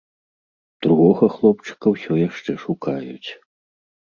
Другога хлопчыка ўсё яшчэ шукаюць.